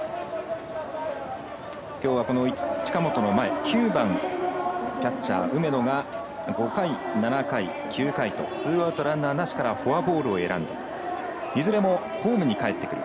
きょうは、近本の前９番キャッチャー梅野が５回、７回、９回とツーアウト、ランナーなしからフォアボールを選んでいずれもホームにかえってくる。